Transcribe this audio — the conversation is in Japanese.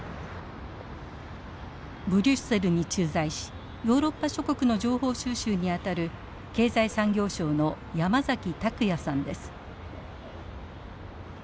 ブリュッセルに駐在しヨーロッパ諸国の情報収集にあたる経済産業省の山崎琢矢さんです。